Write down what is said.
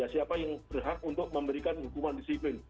siapa yang berhak untuk memberikan hukuman disiplin